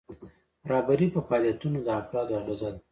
رهبري په فعالیتونو د افرادو اغیزه ده.